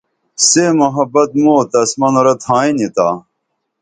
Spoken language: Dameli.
سے محبت موں او تس منورہ تھائیں نی تا